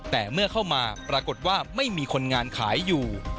แต่เมื่อเข้ามาปรากฏว่าไม่มีคนงานขายอยู่